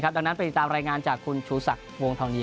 ดังนั้นไปติดตามรายงานจากคุณชูศักดิ์วงทองนี้